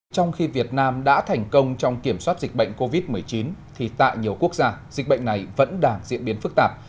trong khi việt nam đã thành công trong kiểm soát dịch bệnh covid một mươi chín thì tại nhiều quốc gia dịch bệnh này vẫn đang diễn biến phức tạp